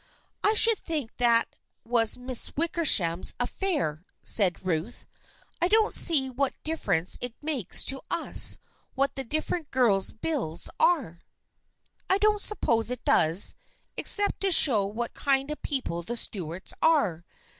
" I should think that was Miss Wickersham's affair," said Ruth. " I don't see what difference it makes to us what the different girls' bills are." " I don't suppose it does, except to show what kind of people the Stuarts are.